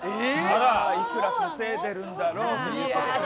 いくら稼いでるんだろう。